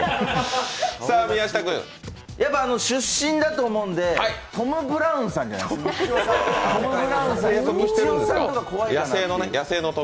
やっぱ出身だと思うので、トム・ブラウンさんじゃないですか。